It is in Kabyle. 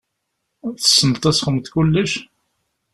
Tessneḍ ad txedmeḍ kullec?